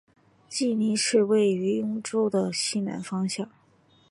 济宁市位于兖州的西南方向。